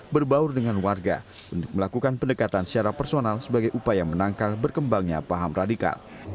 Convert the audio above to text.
berbaur dengan warga untuk melakukan pendekatan secara personal sebagai upaya menangkal berkembangnya paham radikal